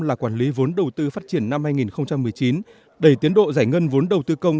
là quản lý vốn đầu tư phát triển năm hai nghìn một mươi chín đẩy tiến độ giải ngân vốn đầu tư công